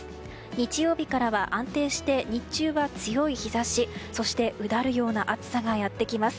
日曜日からは安定して日中は強い日差しそして、うだるような暑さがやってきます。